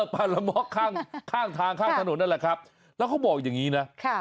ปลาละเมาะข้างข้างทางข้างถนนนั่นแหละครับแล้วเขาบอกอย่างนี้นะ